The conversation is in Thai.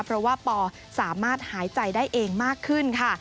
เพราะว่าปอสามารถหายใจได้เองมากขึ้นค่ะ